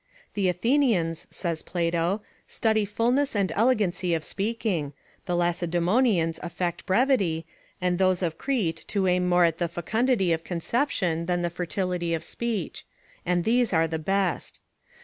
The Athenians, says Plato, study fulness and elegancy of speaking; the Lacedaemonians affect brevity, and those of Crete to aim more at the fecundity of conception than the fertility of speech; and these are the best.